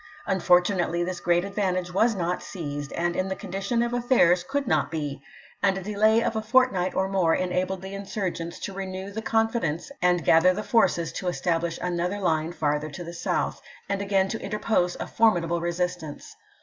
Unfortunately this great advantage was not seized, and in the condition of affairs could not be ; and a delay of a fortnight or more enabled the insm gents to renew the confidence and gather the forces to establish another line farther to the south, and again to interpose a formidable resistance.